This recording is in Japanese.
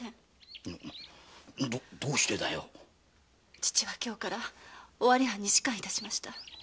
父は今日から尾張藩に仕官いたしました。